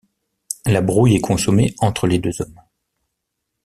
La brouille est consommée entre les deux hommes.